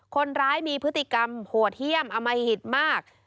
คนร้ายมีพฤติกรรมโหดเยี่ยมอมหิตมาก